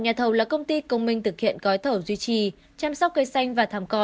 nhà thầu là công ty công minh thực hiện gói thầu duy trì chăm sóc cây xanh và thàm cỏ